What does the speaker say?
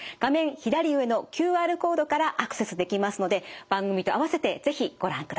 左上のＱＲコードからアクセスできますので番組と併せて是非ご覧ください。